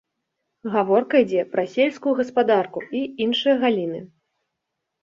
Гаворка ідзе пра сельскую гаспадарку і іншыя галіны.